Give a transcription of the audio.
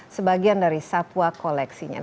sebagian dari satwa koleksinya